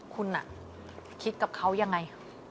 คุณคิดกับเขายังไง